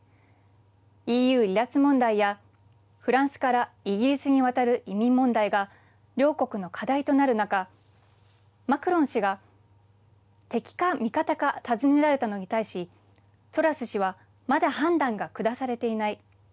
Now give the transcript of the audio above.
ＥＵ離脱問題やフランスからイギリスに渡る移民問題が両国の課題となる中マクロン氏が敵か味方か尋ねられたのに対しトラス氏はまだ判断が下されていない。